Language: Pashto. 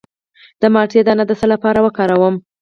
د مالټې دانه د څه لپاره وکاروم؟